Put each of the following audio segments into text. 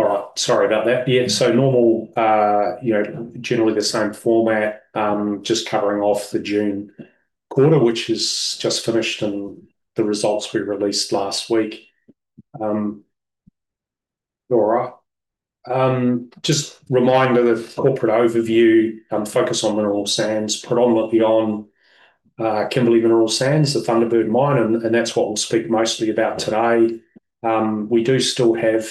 Normal, generally the same format, just covering off the June quarter, which has just finished, and the results we released last week. All right. Just a reminder, the corporate overview, focus on mineral sands, predominantly on Kimberley Mineral Sands, the Thunderbird mine, and that's what we'll speak mostly about today. We do still have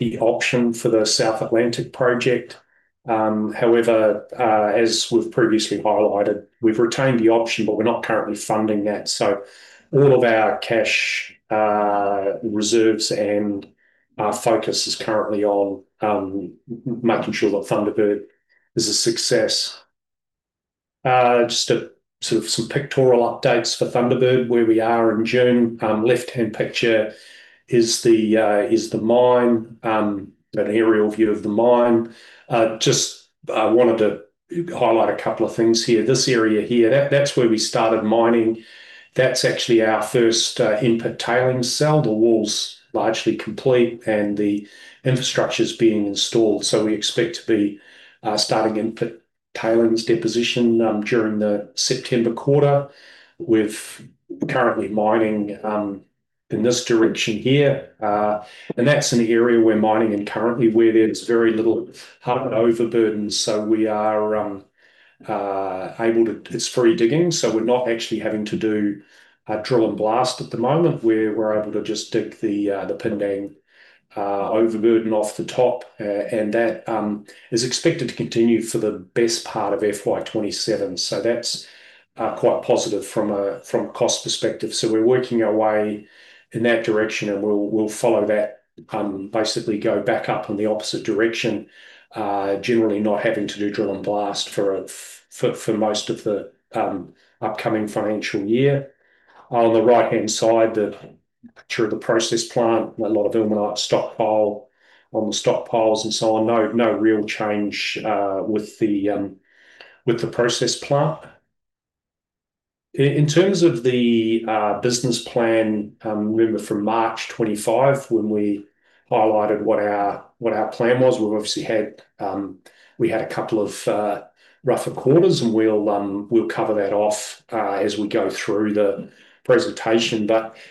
the option for the South Atlantic Project. However, as we've previously highlighted, we've retained the option, but we're not currently funding that. All of our cash reserves and our focus is currently on making sure that Thunderbird is a success. Just some pictorial updates for Thunderbird, where we are in June. Left-hand picture is the mine, an aerial view of the mine. Just wanted to highlight a couple of things here. This area here, that's where we started mining. That's actually our first input tailings cell. The wall's largely complete, the infrastructure's being installed. We expect to be starting input tailings deposition during the September quarter. We're currently mining in this direction here, that's an area we're mining in currently where there's very little hard overburden. It's free digging, we're not actually having to do drill and blast at the moment. We're able to just dig the pindan overburden off the top, that is expected to continue for the best part of FY2027. That's quite positive from a cost perspective. We're working our way in that direction, we'll follow that, basically go back up in the opposite direction, generally not having to do drill and blast for most of the upcoming financial year. On the right-hand side, the picture of the process plant, a lot of ilmenite stockpile on the stockpiles and so on. No real change with the process plant. In terms of the business plan, you'll remember from March 25, when we highlighted what our plan was. We obviously had a couple of rougher quarters, we'll cover that off as we go through the presentation.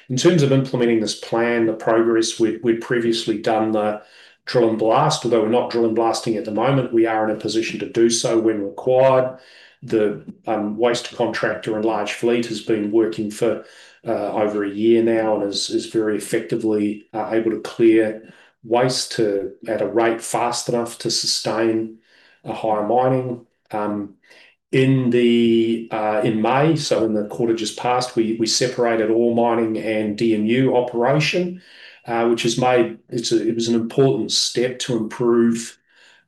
In terms of implementing this plan, the progress, we'd previously done the drill and blast. Although we're not drill and blasting at the moment, we are in a position to do so when required. The waste contractor large fleet has been working for over a year now is very effectively able to clear waste at a rate fast enough to sustain higher mining. In May, in the quarter just passed, we separated ore mining and DMU operation. It was an important step to improve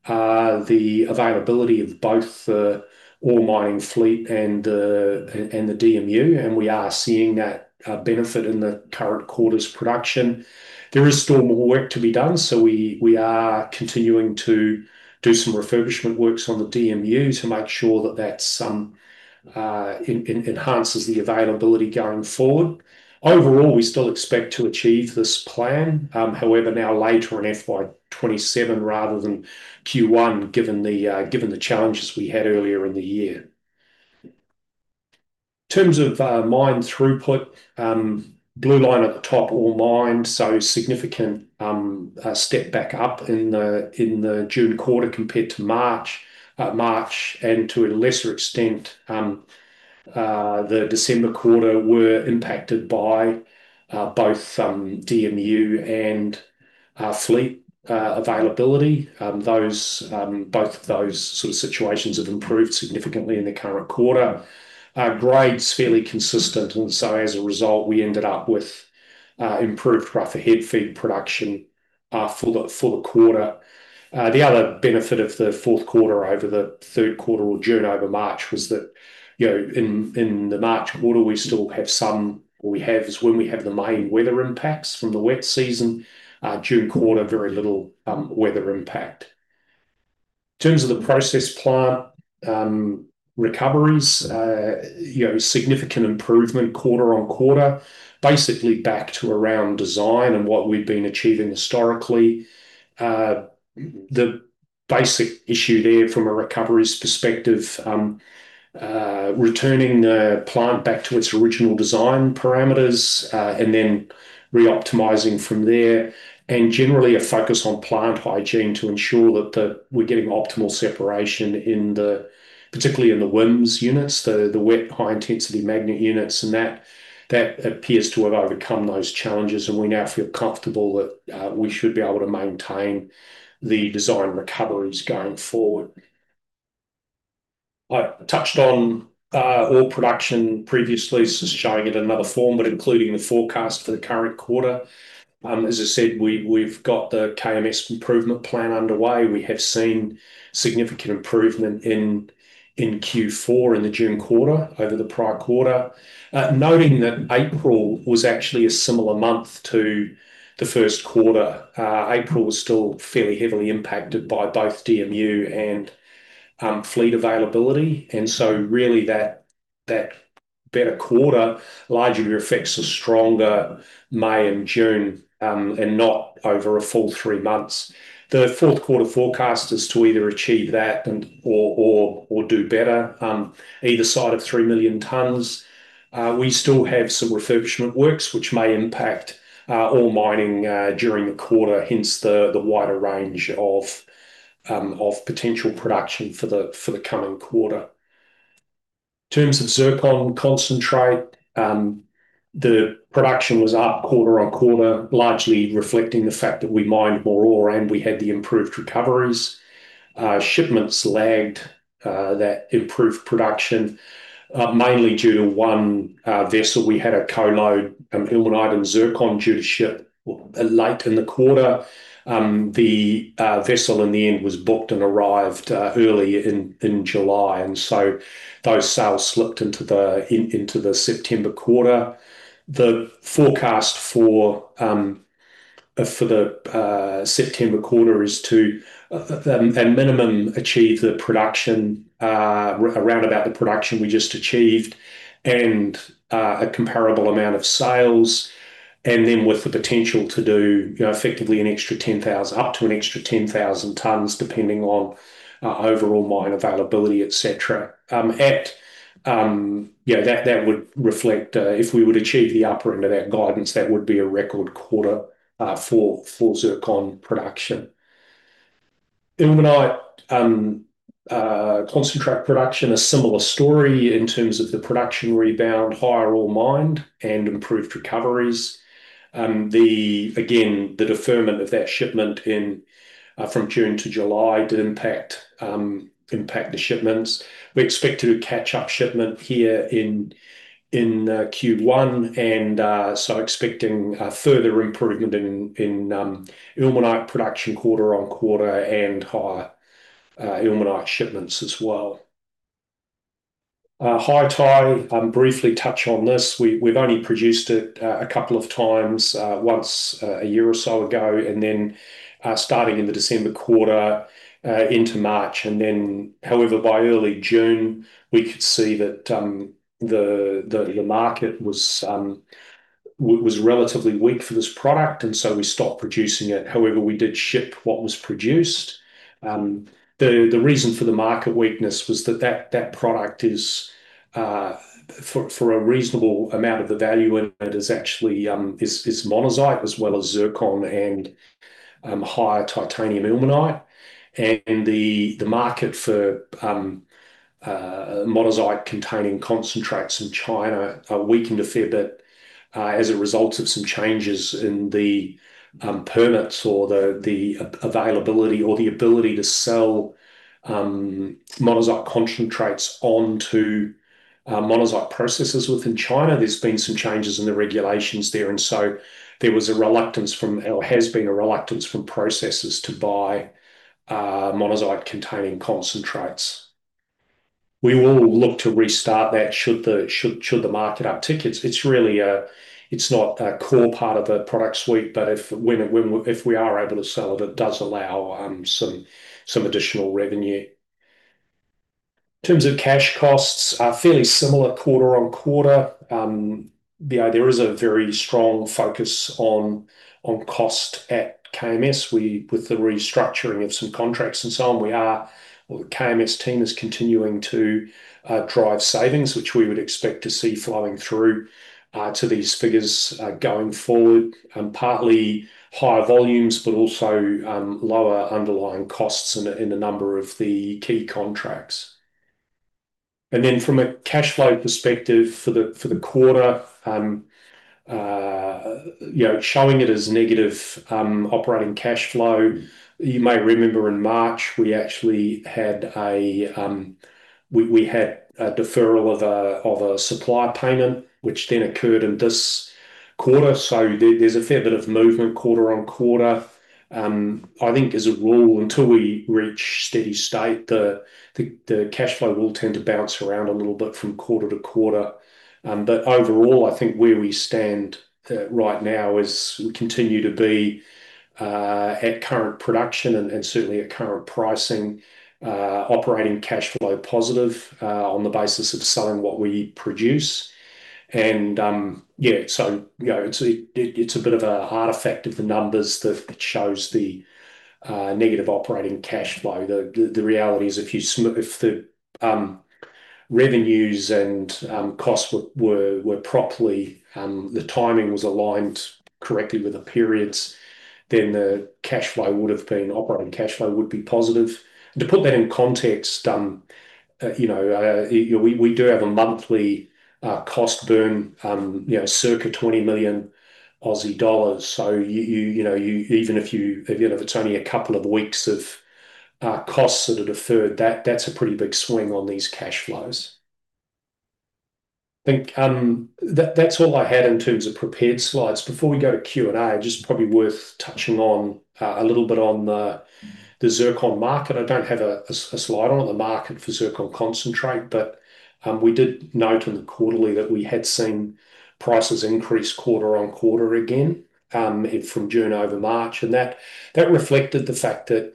the availability of both the ore mining fleet and the DMU, we are seeing that benefit in the current quarter's production. There is still more work to be done, we are continuing to do some refurbishment works on the DMU to make sure that that enhances the availability going forward. Overall, we still expect to achieve this plan. However, now later in FY2027 rather than Q1, given the challenges we had earlier in the year. In terms of mine throughput. Blue line at the top, ore mined, significant step back up in the June quarter compared to March. March, to a lesser extent, the December quarter were impacted by both DMU and fleet availability. Both of those sort of situations have improved significantly in the current quarter. Grade's fairly consistent. As a result, we ended up with improved rougher head feed production for the quarter. The other benefit of the fourth quarter over the third quarter or June over March was that in the March quarter, we have is when we have the main weather impacts from the wet season. June quarter, very little weather impact. In terms of the process plant recoveries, significant improvement quarter-on-quarter, basically back to around design and what we've been achieving historically. The basic issue there from a recoveries perspective, returning the plant back to its original design parameters, then reoptimizing from there. Generally, a focus on plant hygiene to ensure that we're getting optimal separation particularly in the WHIMS units, the wet high-intensity magnet units. That appears to have overcome those challenges. We now feel comfortable that we should be able to maintain the design recoveries going forward. I touched on ore production previously, so showing it in another form, but including the forecast for the current quarter. As I said, we've got the KMS improvement plan underway. We have seen significant improvement in Q4, in the June quarter, over the prior quarter. Noting that April was actually a similar month to the first quarter. April was still fairly heavily impacted by both DMU and fleet availability. Really that better quarter, largely reflects a stronger May and June, not over a full three months. The fourth quarter forecast is to either achieve that or do better, either side of 3 million tons. We still have some refurbishment works which may impact ore mining during the quarter, hence the wider range of potential production for the coming quarter. In terms of zircon concentrate, the production was up quarter-on-quarter, largely reflecting the fact that we mined more ore and we had the improved recoveries. Shipments lagged that improved production, mainly due to one vessel. We had a co-load of ilmenite and zircon due to ship late in the quarter. The vessel in the end was booked and arrived early in July. Those sales slipped into the September quarter. The forecast for the September quarter is to at minimum achieve around about the production we just achieved and a comparable amount of sales. With the potential to do up to an extra 10,000 tons, depending on overall mine availability, et cetera. That would reflect, if we were to achieve the upper end of our guidance, that would be a record quarter for zircon production. Ilmenite concentrate production, a similar story in terms of the production rebound, higher ore mined, and improved recoveries. Again, the deferment of that shipment from June to July did impact the shipments. We expect to do a catch-up shipment here in Q1. Expecting a further improvement in ilmenite production quarter-on-quarter and higher ilmenite shipments as well. HiTi, briefly touch on this. We've only produced it a couple of times, once a year or so ago, then starting in the December quarter into March. However, by early June, we could see that the market was relatively weak for this product. We stopped producing it. However, we did ship what was produced. The reason for the market weakness was that that product is, for a reasonable amount of the value in it, is actually monazite as well as zircon and higher titanium ilmenite. The market for monazite-containing concentrates in China weakened a fair bit, as a result of some changes in the permits or the availability or the ability to sell monazite concentrates on to monazite processors within China. There's been some changes in the regulations there. There has been a reluctance from processors to buy monazite-containing concentrates. We will look to restart that should the market upticks. It's not a core part of the product suite, but if we are able to sell it does allow some additional revenue. In terms of cash costs, fairly similar quarter-on-quarter. There is a very strong focus on cost at KMS. With the restructuring of some contracts and so on, the KMS team is continuing to drive savings, which we would expect to see flowing through to these figures going forward. Partly higher volumes, but also lower underlying costs in a number of the key contracts. From a cash flow perspective for the quarter, showing it as negative operating cash flow. You may remember in March, we had a deferral of a supply payment, which then occurred in this quarter. There's a fair bit of movement quarter-on-quarter. I think as a rule, until we reach steady state, the cash flow will tend to bounce around a little bit from quarter-to-quarter. Overall, I think where we stand right now is we continue to be, at current production and certainly at current pricing, operating cash flow positive on the basis of selling what we produce. It's a bit of an artifact of the numbers that shows the negative operating cash flow. The reality is if the revenues and costs were properly, the timing was aligned correctly with the periods, then the operating cash flow would be positive. To put that in context, we do have a monthly cost burn, circa 20 million Aussie dollars. Even if it's only a couple of weeks of costs that are deferred, that's a pretty big swing on these cash flows. I think that's all I had in terms of prepared slides. Before we go to Q and A, just probably worth touching a little bit on the zircon market. I don't have a slide on it, the market for zircon concentrate. We did note in the quarterly that we had seen prices increase quarter-on-quarter again from June over March, and that reflected the fact that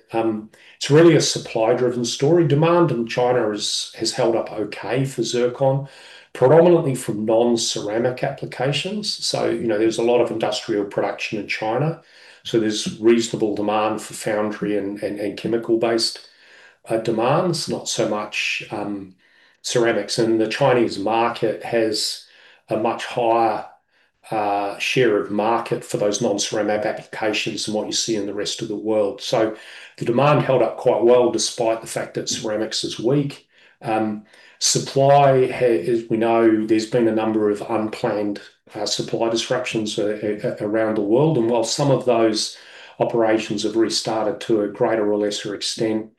it's really a supply-driven story. Demand in China has held up okay for zircon, predominantly from non-ceramic applications. There's a lot of industrial production in China, so there's reasonable demand for foundry and chemical-based demands, not so much ceramics. The Chinese market has a much higher share of market for those non-ceramic applications than what you see in the rest of the world. The demand held up quite well despite the fact that ceramics is weak. Supply, as we know, there's been a number of unplanned supply disruptions around the world, and while some of those operations have restarted to a greater or lesser extent,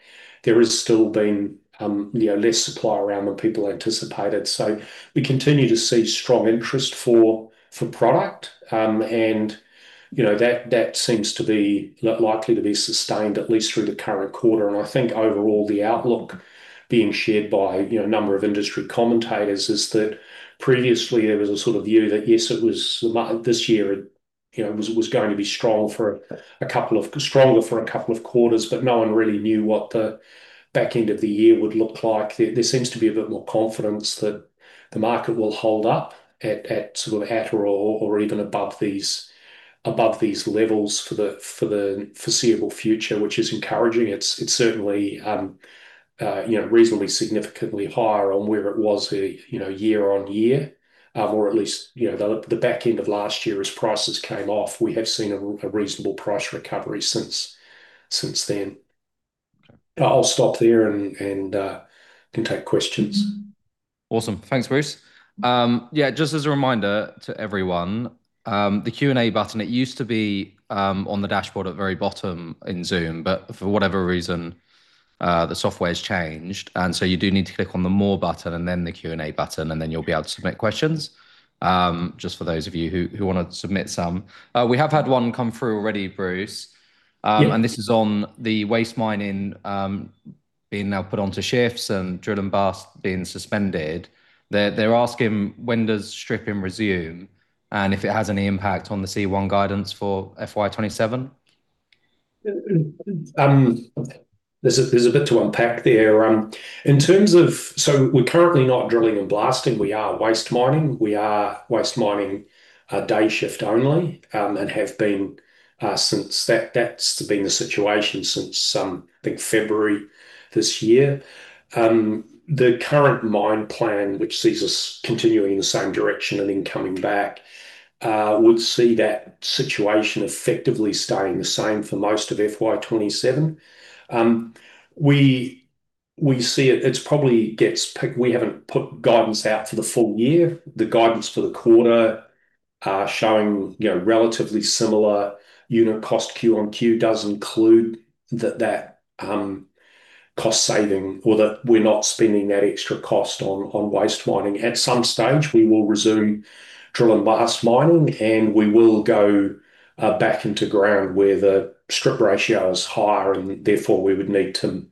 there has still been less supply around than people anticipated. We continue to see strong interest for product. That seems to be likely to be sustained at least through the current quarter. I think overall, the outlook being shared by a number of industry commentators is that previously there was a sort of view that, yes, this year was going to be stronger for a couple of quarters, but no one really knew what the back end of the year would look like. There seems to be a bit more confidence that the market will hold up at sort of at or even above these levels for the foreseeable future, which is encouraging. It's certainly reasonably significantly higher on where it was year-on-year. At least the back end of last year as prices came off. We have seen a reasonable price recovery since then. I'll stop there and can take questions. Awesome. Thanks, Bruce. Just as a reminder to everyone, the Q and A button, it used to be on the dashboard at the very bottom in Zoom. For whatever reason, the software's changed, you do need to click on the More button and then the Q and A button, then you'll be able to submit questions. Just for those of you who want to submit some. We have had one come through already, Bruce. Yeah. This is on the waste mining being now put onto shifts and drill and blast being suspended. They're asking, when does stripping resume and if it has any impact on the C1 guidance for FY 2027? There's a bit to unpack there. We're currently not drilling and blasting. We are waste mining. We are waste mining day shift only. That's been the situation since, I think, February this year. The current mine plan, which sees us continuing in the same direction and then coming back, would see that situation effectively staying the same for most of FY 2027. We haven't put guidance out for the full year. The guidance for the quarter showing relatively similar unit cost quarter-on-quarter does include that cost saving or that we're not spending that extra cost on waste mining. At some stage, we will resume drill and blast mining, and we will go back into ground where the strip ratio is higher and therefore we would need to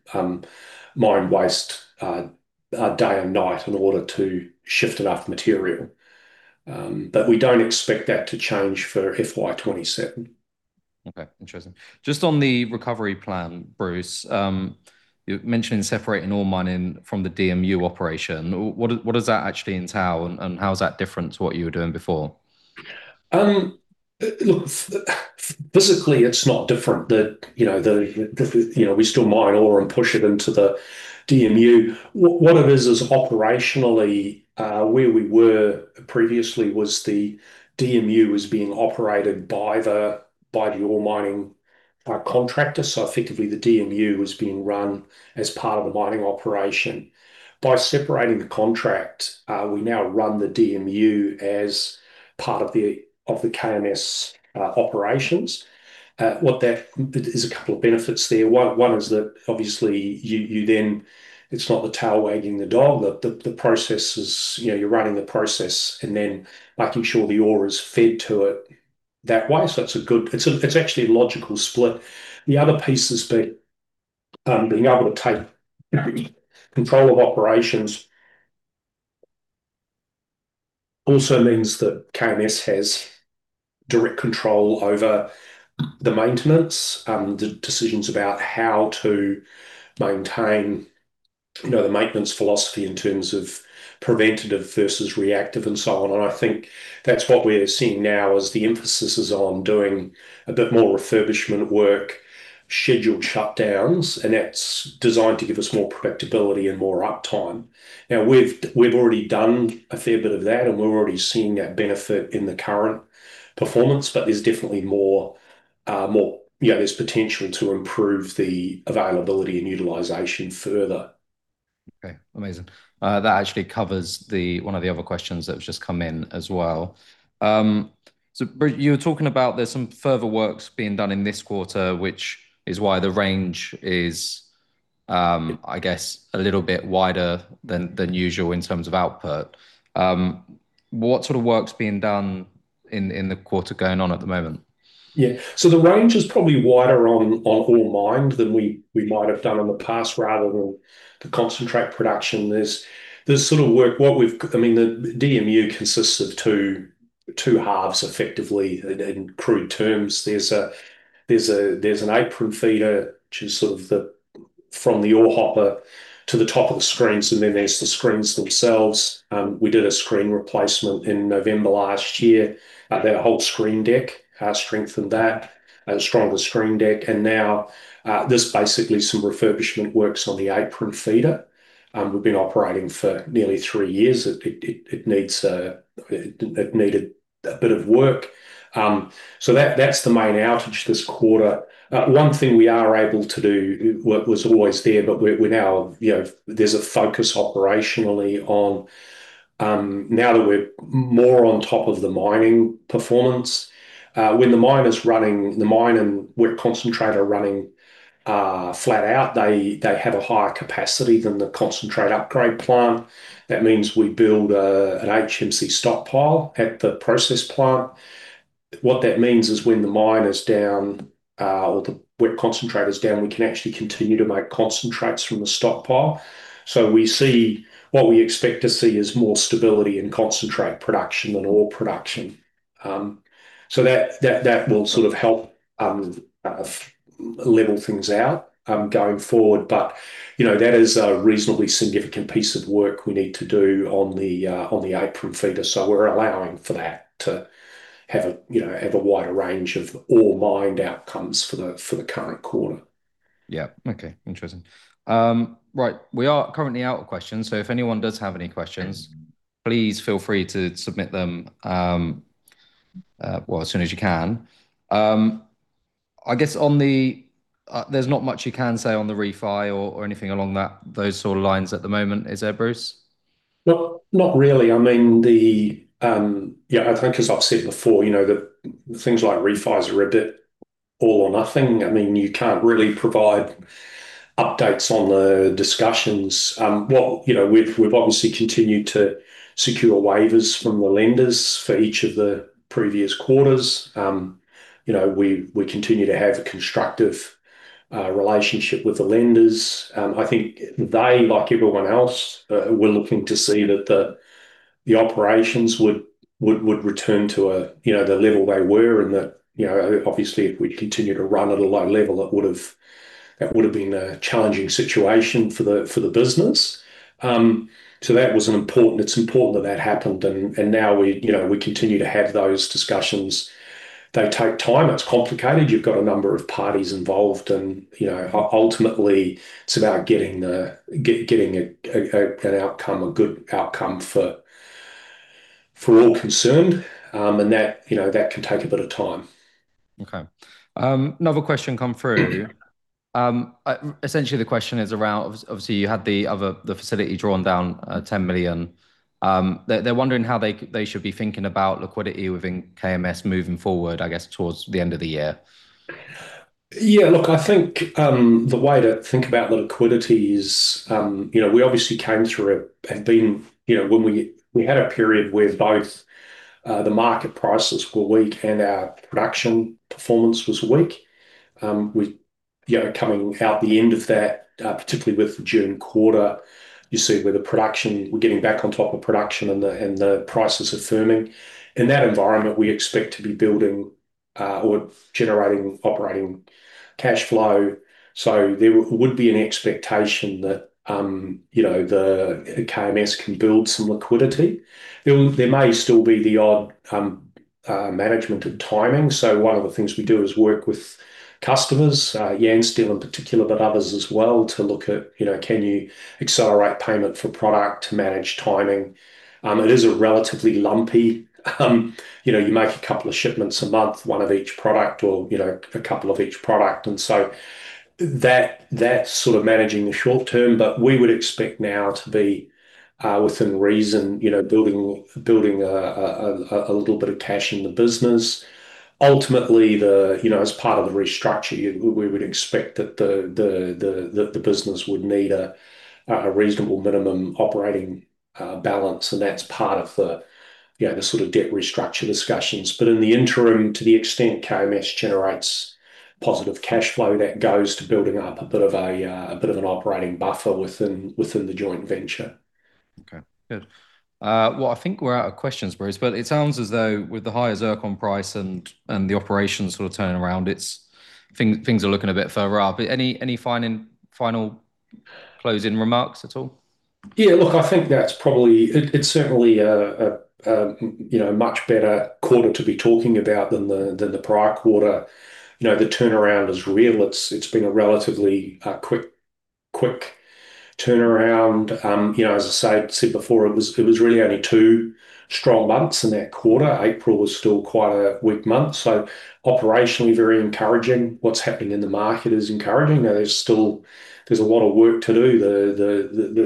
mine waste day and night in order to shift enough material. We don't expect that to change for FY 2027. Okay. Interesting. Just on the recovery plan, Bruce. You're mentioning separating ore mining from the DMU operation. What does that actually entail, and how is that different to what you were doing before? Physically, it's not different. We still mine ore and push it into the DMU. What it is operationally where we were previously was the DMU was being operated by the ore mining contractor. Effectively, the DMU was being run as part of the mining operation. By separating the contract, we now run the DMU as part of the KMS operations. There's a couple of benefits there. One is that you then, it's not the tail wagging the dog. You're running the process and then making sure the ore is fed to it that way. It's actually a logical split. The other piece has been being able to take control of operations also means that KMS has direct control over the maintenance, the decisions about how to maintain the maintenance philosophy in terms of preventative versus reactive and so on. I think that's what we're seeing now is the emphasis is on doing a bit more refurbishment work, scheduled shutdowns, and that's designed to give us more predictability and more uptime. We've already done a fair bit of that, and we're already seeing that benefit in the current performance, there's definitely more potential to improve the availability and utilization further. Okay. Amazing. That actually covers one of the other questions that have just come in as well. Bruce, you were talking about there's some further works being done in this quarter, which is why the range is I guess a little bit wider than usual in terms of output. What sort of work's being done in the quarter going on at the moment? Yeah. The range is probably wider on ore mined than we might have done in the past rather than the concentrate production. There's sort of work. The DMU consists of two halves effectively, in crude terms. There's an apron feeder to sort of the, from the ore hopper to the top of the screens, there's the screens themselves. We did a screen replacement in November last year. The whole screen deck, strengthened that. A stronger screen deck. Now, there's basically some refurbishment works on the apron feeder. We've been operating for nearly three years. It needed a bit of work. That's the main outage this quarter. One thing we are able to do, was always there, we're now, there's a focus operationally on, now that we're more on top of the mining performance. When the mine is running, the mine and wet concentrate are running flat out, they have a higher capacity than the concentrate upgrade plant. That means we build an HMC stockpile at the process plant. What that means is when the mine is down, or the wet concentrate is down, we can actually continue to make concentrates from the stockpile. We see, what we expect to see is more stability in concentrate production than ore production. That will sort of help level things out going forward. That is a reasonably significant piece of work we need to do on the apron feeder. We're allowing for that to have a wider range of ore mined outcomes for the current quarter. Yeah. Okay, interesting. Right. We are currently out of questions, if anyone does have any questions, please feel free to submit them, well, as soon as you can. I guess there's not much you can say on the refi or anything along that, those sort of lines at the moment, is there, Bruce? Not really. I think as I've said before, things like refis are a bit all or nothing. You can't really provide updates on the discussions. Well, we've obviously continued to secure waivers from the lenders for each of the previous quarters. We continue to have a constructive relationship with the lenders. I think they, like everyone else, were looking to see that the operations would return to the level they were and that, obviously, if we'd continued to run at a low level, that would've been a challenging situation for the business. It's important that that happened. Now we continue to have those discussions. They take time. It's complicated. You've got a number of parties involved. Ultimately, it's about getting an outcome, a good outcome for all concerned. That can take a bit of time. Okay. Another question come through. Essentially the question is around, obviously, you had the other, the facility drawn down, 10 million. They're wondering how they should be thinking about liquidity within KMS moving forward, I guess, towards the end of the year. Yeah, look, I think, the way to think about liquidity is, we obviously came through a period where both the market prices were weak and our production performance was weak. We, coming out the end of that, particularly with the June quarter, you see where the production, we're getting back on top of production and the prices are firming. In that environment, we expect to be building, or generating operating cash flow. There would be an expectation that KMS can build some liquidity. There may still be the odd management of timing. One of the things we do is work with customers, Yansteel in particular, but others as well, to look at, can you accelerate payment for product to manage timing? It is a relatively lumpy You make a couple of shipments a month, one of each product or a couple of each product. That's sort of managing the short term. We would expect now to be, within reason, building a little bit of cash in the business. Ultimately, as part of the restructure, we would expect that the business would need a reasonable minimum operating balance. That's part of the sort of debt restructure discussions. In the interim, to the extent KMS generates positive cash flow, that goes to building up a bit of an operating buffer within the joint venture. Good. I think we're out of questions, Bruce, but it sounds as though with the higher zircon price and the operation sort of turnaround, things are looking a bit further up. Any final closing remarks at all? It's certainly a much better quarter to be talking about than the prior quarter. The turnaround is real. It's been a relatively quick turnaround. As I said before, it was really only two strong months in that quarter. April was still quite a weak month. Operationally very encouraging. What's happening in the market is encouraging. There's still a lot of work to do.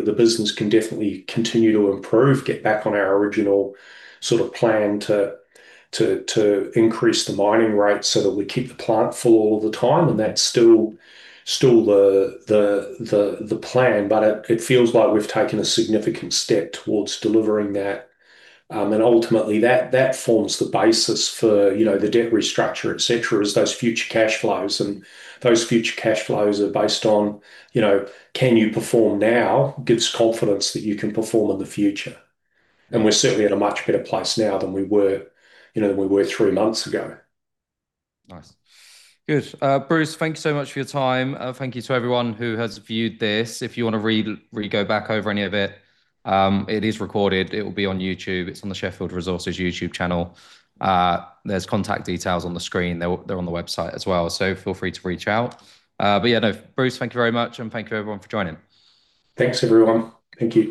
The business can definitely continue to improve, get back on our original sort of plan to increase the mining rate so that we keep the plant full all the time, and that's still the plan. It feels like we've taken a significant step towards delivering that. Ultimately that forms the basis for the debt restructure, et cetera, is those future cash flows. Those future cash flows are based on, can you perform now, gives confidence that you can perform in the future. We're certainly in a much better place now than we were three months ago. Nice. Good. Bruce, thank you so much for your time. Thank you to everyone who has viewed this. If you want to re-go back over any of it is recorded. It'll be on YouTube. It's on the Sheffield Resources YouTube channel. There's contact details on the screen. They're on the website as well. Yeah, no, Bruce, thank you very much, and thank you everyone for joining. Thanks, everyone. Thank you.